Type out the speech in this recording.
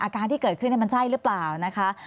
อาการที่เกิดขึ้นมันใช่หรือเปล่านะคะ